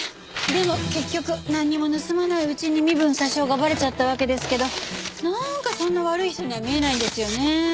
でも結局なんにも盗まないうちに身分詐称がバレちゃったわけですけどなんかそんな悪い人には見えないんですよね。